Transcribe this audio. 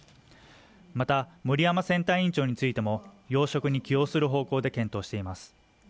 また森山選対委員長についても要職に起用する方向で検討しています